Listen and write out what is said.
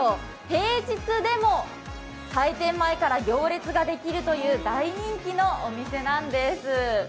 平日でも開店前から行列ができるという大人気のお店なんです。